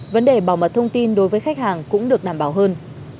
vấn đề bảo mật thông tin đối với khách hàng cũng được đảm bảo hơn